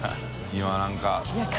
今何か。